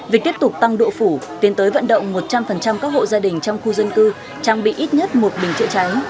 việc tiếp tục tăng độ phủ tiến tới vận động một trăm linh các hộ gia đình trong khu dân cư trang bị ít nhất một bình chữa cháy